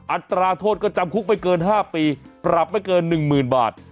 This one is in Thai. อัตราโทษก็จำคุกไม่เกิน๕ปีปรับไม่เกิน๑๐๐๐บาท